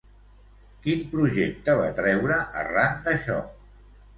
Quin projecte va treure arran d'això?